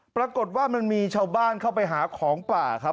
ปรากฏว่ามันมีชาวบ้านเข้าไปหาของป่าครับ